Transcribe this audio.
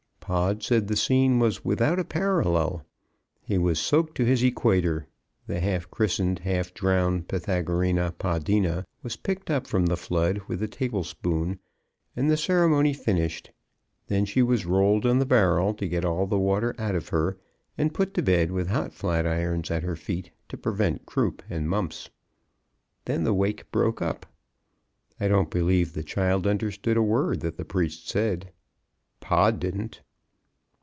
Pod said the scene was without a parallel; he was soaked to his equator; the half christened, half drowned Pythagorina Podina was picked up from the flood with a tablespoon, and the ceremony finished; then she was rolled on the barrel to get all the water out of her, and put to bed with hot flatirons at her feet to prevent croup and mumps. Then the wake broke up. I don't believe the child understood a word that the priest said; Pod didn't.